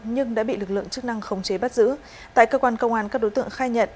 nhưng đã bị lực lượng chức năng khống chế bắt giữ tại cơ quan công an các đối tượng khai nhận